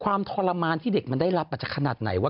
ทรมานที่เด็กมันได้รับอาจจะขนาดไหนวะ